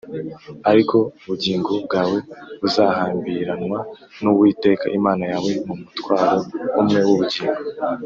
ariko ubugingo bwawe buzahambiranwa n’Uwiteka Imana yawe mu mutwaro umwe w’ubugingo,